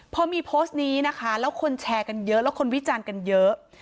พอมีโพสต์นี้นะคะแล้วคนแชร์กันเยอะแล้วคนวิจารณ์กันเยอะ